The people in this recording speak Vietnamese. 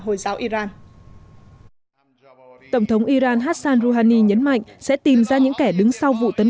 hồi giáo iran tổng thống iran hassan rouhani nhấn mạnh sẽ tìm ra những kẻ đứng sau vụ tấn